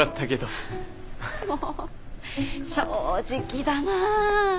もう正直だなぁ。